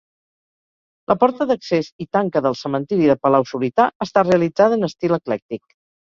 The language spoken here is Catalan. La porta d'accés i tanca del cementiri de Palau-Solità està realitzada en estil eclèctic.